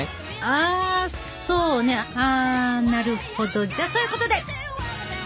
あなるほどじゃそういうことで！